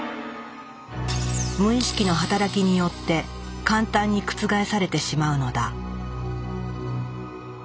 無意識の働きによって簡単に覆されてしまうのだ。